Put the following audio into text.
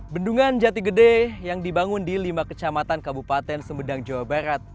bendungan jatigede yang dibangun di lima kecamatan kabupaten sembedang jawa barat